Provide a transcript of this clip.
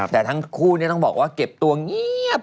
แต่ทั้งคู่ต้องบอกว่าเก็บตัวเงียบ